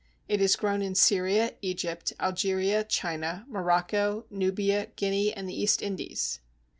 It is grown in Syria, Egypt, Algeria, China, Morocco, Nubia, Guinea, and the East Indies.